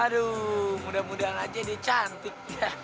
aduh mudah mudahan aja dia cantik